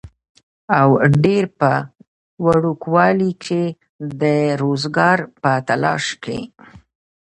او ډېر پۀ وړوکوالي کښې د روزګار پۀ تالاش کښې